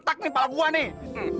retak nih kepala gue nih